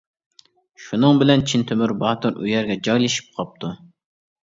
شۇنىڭ بىلەن چىن تۆمۈر باتۇر ئۇ يەرگە جايلىشىپ قاپتۇ.